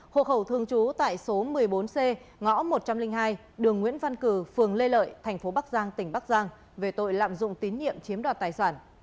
hộ khẩu thường trú tại số một mươi bốn c ngõ một trăm linh hai đường nguyễn văn cử phường lê lợi thành phố bắc giang tỉnh bắc giang về tội lạm dụng tín nhiệm chiếm đoạt tài sản